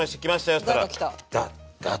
っつったらダッ！